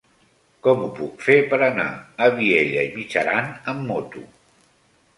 Com ho puc fer per anar a Vielha e Mijaran amb moto?